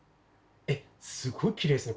えっすごいきれいですね